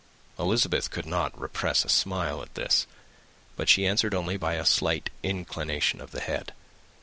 Elizabeth could not repress a smile at this, but she answered only by a slight inclination of the head.